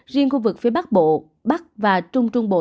riêng khu vực phía bắc bộ bắc và trung trung bộ